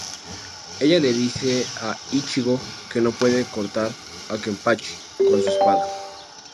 Ella le dice a Ichigo que no puede cortar a Kenpachi con su espada.